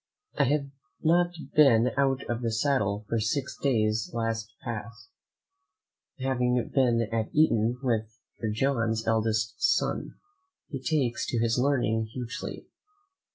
I have not been out of the saddle for six days last past, having been at Eaton with Sir John's eldest son. He takes to his learning hugely.